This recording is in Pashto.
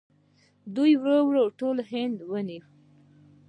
دوی ورو ورو ټول هند ونیو.